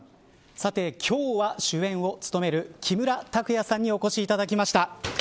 さて、今日は主演を務める木村拓哉さんにお越しいただきました。